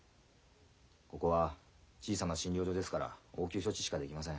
ここは小さな診療所ですから応急処置しかできません。